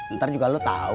ntar juga lo tau